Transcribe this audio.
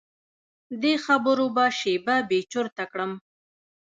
دې خبرو به شیبه بې چرته کړم.